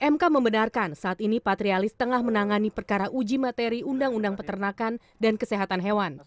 mk membenarkan saat ini patrialis tengah menangani perkara uji materi undang undang peternakan dan kesehatan hewan